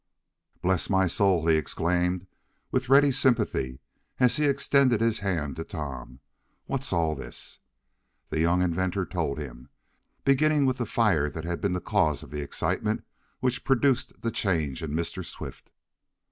"Bless my soul!" he exclaimed with ready sympathy, as he extended his hand to Tom. "What's all this?" The young inventor told him, beginning with the fire that had been the cause of the excitement which produced the change in Mr. Swift.